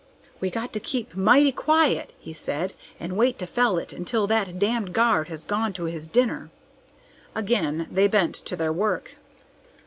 "We got to keep mighty quiet," he said, "and wait to fell it until that damned guard has gone to his dinner." Again they bent to their work.